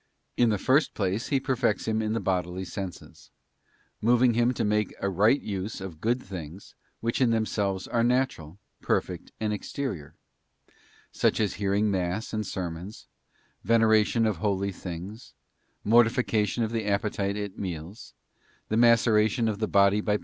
In the first place He perfects him in the bodily senses, moving him to make a right use of good things which in themselves are natural, perfect, and exterior; such as hearing Mass and sermons, veneration of holy things, mortification of the appetite at meals, the maceration of the body by BOOK Ti.